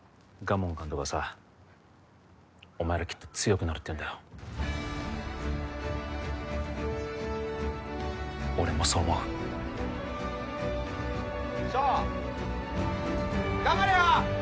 門監督がさお前らきっと強くなるって言うんだよ俺もそう思う翔頑張れよ！